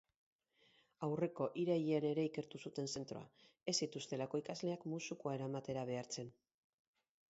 Aurreko irailean ere ikertu zuten zentroa, ez zituelako ikasleak musukoa eramatera behartzen.